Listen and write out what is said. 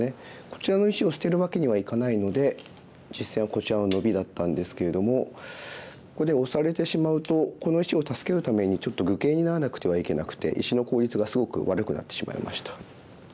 こちらの石を捨てるわけにはいかないので実戦はこちらのノビだったんですけれどもここでオサれてしまうとこの石を助けるためにちょっと愚形にならなくてはいけなくて石の効率がすごく悪くなってしまいました。